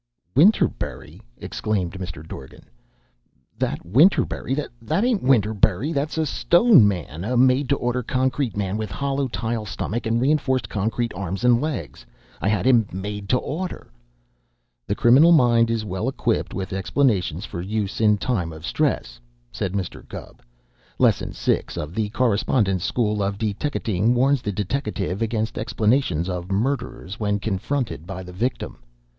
'" "Winterberry?" exclaimed Mr. Dorgan. "That Winterberry? That ain't Winterberry! That's a stone man, a made to order concrete man, with hollow tile stomach and reinforced concrete arms and legs. I had him made to order." "The criminal mind is well equipped with explanations for use in time of stress," said Mr. Gubb. "Lesson Six of the Correspondence School of Deteckating warns the deteckative against explanations of murderers when confronted by the victim.